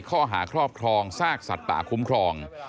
ข้อหาครอบครองซากสัตว์ป่าคุ้มครอง